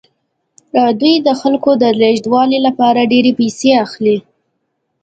دوی د خلکو د لیږدولو لپاره ډیرې پیسې اخلي